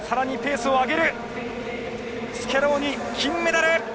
スキャローニ、金メダル！